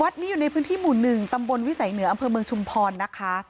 นี้อยู่ในพื้นที่หมู่๑ตำบลวิสัยเหนืออำเภอเมืองชุมพรนะคะ